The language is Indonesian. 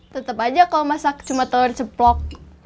tetap aja kalau masak cuma telur ceplok